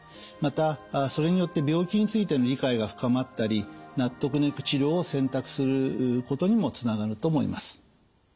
またそれによって病気についての理解が深まったり納得のいく治療を選択することにもつながると思います。